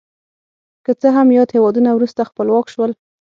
که څه هم یاد هېوادونه وروسته خپلواک شول.